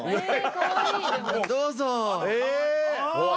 どうぞ。